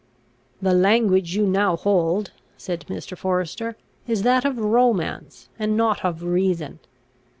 "The language you now hold," said Mr. Forester, "is that of romance, and not of reason.